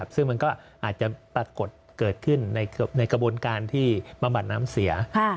ซึ่งมันก็อาจจะปรากฏเกิดขึ้นในกระบวนการที่บำบัดน้ำเสีย